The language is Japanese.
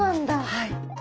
はい。